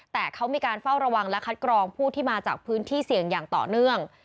แต่เขามีการเฝ้าระวังและคัดกรองผู้ที่มาจากพื้นที่เสี่ยงอย่างต่อเนื่อง